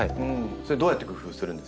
それどうやって工夫するんですか？